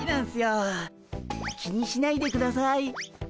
気にしないでください。